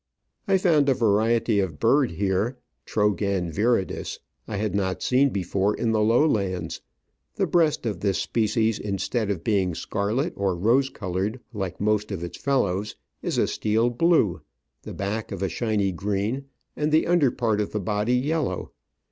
I found a variety of bird here (Trogan viridis) I had not seen before in the low lands ; the breast of this species, instead of being scarlet or rose coloured like the most of its fellows, is a steel blue, the back a shiny green, and the under part of the body yellow.